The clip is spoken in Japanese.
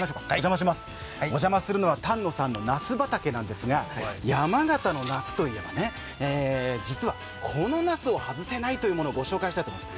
お邪魔するのは丹野さんのなす畑なんですが、山形のなすといえば、このなすを外せないというものをご紹介します。